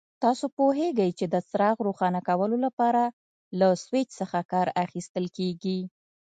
تاسو پوهیږئ چې د څراغ روښانه کولو لپاره له سوېچ څخه کار اخیستل کېږي.